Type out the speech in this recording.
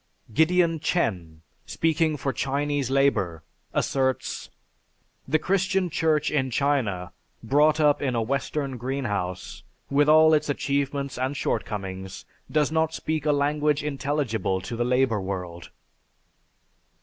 Gideon Chen, speaking for Chinese Labor asserts: "The Christian Church in China, brought up in a Western greenhouse, with all its achievements and shortcomings, does not speak a language intelligible to the labor world."